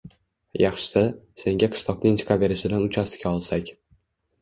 Yaxshisi, senga qishloqning chiqaverishidan uchastka olsak